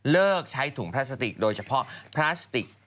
เลิกใช้ถุงพลาสติกโดยเฉพาะพลาสติก